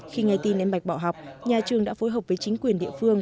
khi nghe tin em bạch bỏ học nhà trường đã phối hợp với chính quyền địa phương